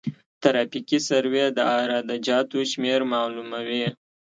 ترافیکي سروې د عراده جاتو شمېر معلوموي